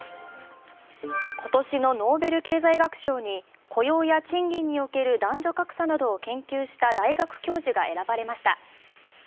今年のノーベル経済学賞に雇用や賃金における男女格差などを研究した大学教授が選ばれました。